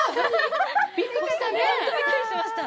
びっくりした。